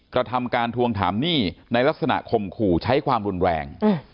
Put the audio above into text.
กระทำการทวงถามหนี้ในลักษณะข่มขู่ใช้ความรุนแรง